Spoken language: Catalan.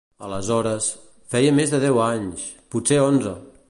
Aleshores, feia més de deu anys... potser onze!